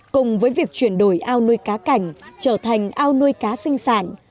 cùng với việc chuyển đổi ao nuôi cá cảnh trở thành ao nuôi cá sinh sản